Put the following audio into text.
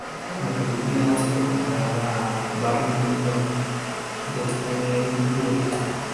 La película ha sido comparada a "Barry Lyndon", de Stanley Kubrick.